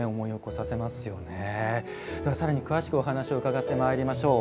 さらに詳しくお話を伺ってまいりましょう。